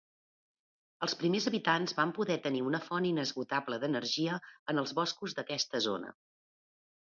Els primers habitants van poder tenir una font inesgotable d'energia en els boscos d'aquesta zona.